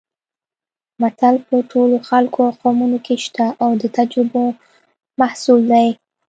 متل په ټولو خلکو او قومونو کې شته او د تجربو محصول دی